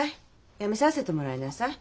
やめさせてもらいなさい。